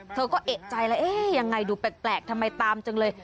เธอก็เอกใจแล้วเอ๊ะยังไงดูแปลกทำไมตามจังเลย